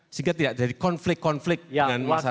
sehingga tidak jadi konflik konflik dengan masyarakat